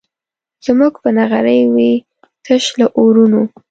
زموږ به نغري وي تش له اورونو